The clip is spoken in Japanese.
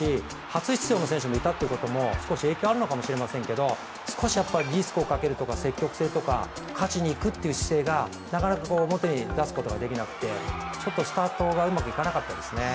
初出場の選手もいたということも少し影響があるのかもしれませんが少しリスクをかけるとか、積極性とか勝ちにいくという姿勢がなかなか表に出すことができなくてちょっとスタートがうまくいかなかったですね。